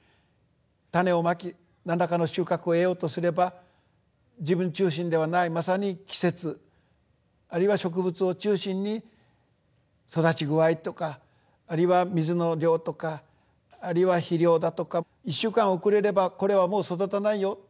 種をまき何らかの収穫を得ようとすれば自分中心ではないまさに季節あるいは植物を中心に育ち具合とかあるいは水の量とかあるいは肥料だとか１週間遅れればこれはもう育たないよ